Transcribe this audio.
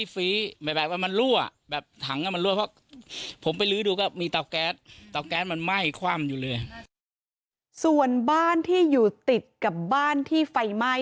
ส่วนบ้านที่อยู่ติดกับบ้านที่ไฟไหม้